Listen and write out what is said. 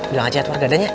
bilang aja edward gadanya